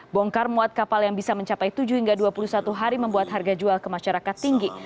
bongkar muat kapal yang bisa mencapai tujuh hingga dua puluh satu hari membuat harga jual ke masyarakat tinggi